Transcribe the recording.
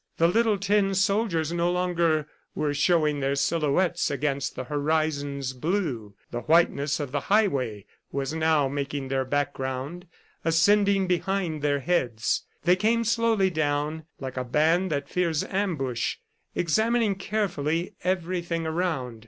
The little tin soldiers no longer were showing their silhouettes against the horizon's blue; the whiteness of the highway was now making their background, ascending behind their heads. They came slowly down, like a band that fears ambush, examining carefully everything around.